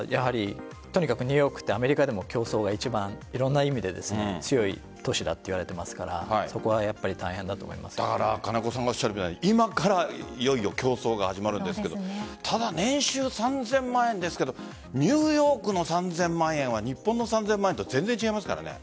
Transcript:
とにかくニューヨークはアメリカでも競争が一番いろんな意味で強い都市だといわれていますから金子さんがおっしゃるみたいに今からいよいよ競争が始まるんですがただ、年収３０００万円ですがニューヨークの３０００万円は日本の３０００万円と全然違いますからね。